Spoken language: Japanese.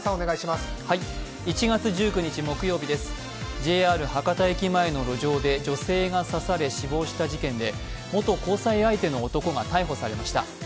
ＪＲ博多駅前の路上で女性が刺され死亡した事件で元交際相手の男が逮捕されました。